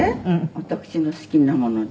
私の好きなものです。